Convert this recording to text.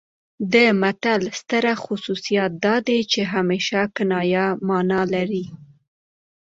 د متل ستر خصوصیت دا دی چې همیشه کنايي مانا لري